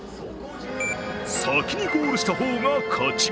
先にゴールした方が勝ち。